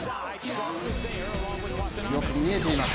よく見えています。